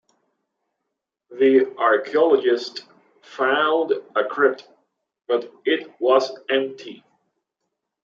The archaeologists found a crypt, but it was empty.